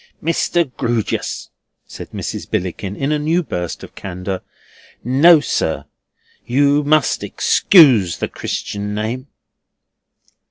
"Mr. Grewgious," said Mrs. Billickin in a new burst of candour, "no, sir! You must excuse the Christian name."